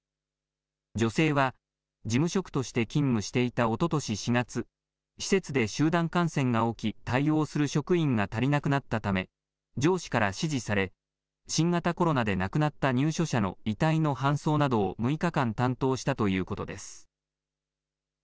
女性は、事務職として勤務していたおととし４月施設で集団感染が起き対応する職員が足りなくなったため上司から指示され新型コロナで亡くなった入所者の遺体の搬送などを６日間担当したということです。